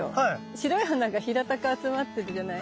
白い花が平たく集まってるじゃない？